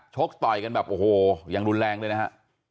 ชกต่อยกันแบบโอ้โหยังรุนแรงด้วยนะฮะ